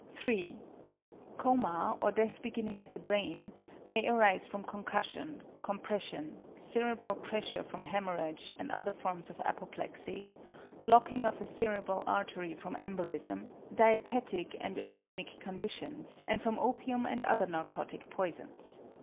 3. =Coma=, or death beginning at the brain, may arise from concussion; compression; cerebral pressure from hæmorrhage and other forms of apoplexy; blocking of a cerebral artery from embolism; dietetic and uræmic conditions; and from opium and other narcotic poisons.